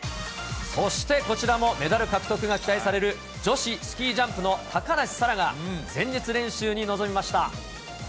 そしてこちらもメダル獲得が期待される、女子スキージャンプの高梨沙羅が、前日練習に臨みました。